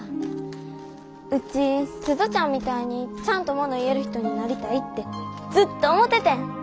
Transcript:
ウチ鈴ちゃんみたいにちゃんともの言える人になりたいってずっと思ててん。